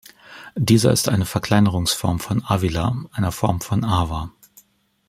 Dieser ist eine Verkleinerungsform von Avila, einer Form von Ava.